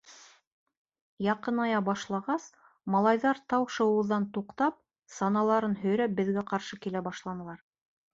Яҡыная башлағас, малайҙар тау шыуыуҙан туҡтап, саналарын һөйрәп беҙгә ҡаршы килә башланылар.